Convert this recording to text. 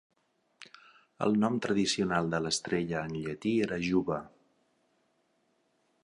El nom tradicional de l'estrella en llatí era "Juba".